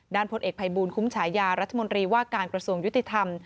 พลเอกภัยบูลคุ้มฉายารัฐมนตรีว่าการกระทรวงยุติธรรม